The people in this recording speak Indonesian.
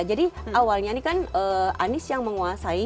jadi awalnya ini kan anies yang menguasai